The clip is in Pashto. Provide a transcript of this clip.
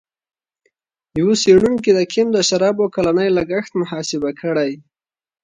یوه څېړونکي د کیم د شرابو کلنی لګښت محاسبه کړی.